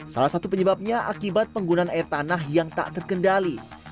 salah satu penyebabnya akibat penggunaan air tanah yang tak terkendali